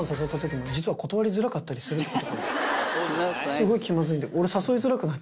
すごい気まずいんだけど。